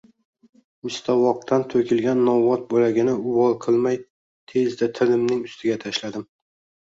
Mistovoqdan to‘kilgan novvot bo‘lagini uvol qilmay, tezda tilimning ustiga tashladim